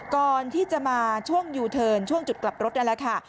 ก่อนที่จะมาช่วงยูเทิร์นช่วงจุดกลับรถนั่นแหละค่ะ